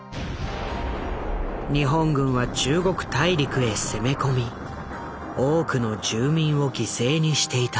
日本軍は中国大陸へ攻め込み多くの住民を犠牲にしていた。